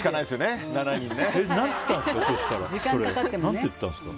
何て言ったんですか？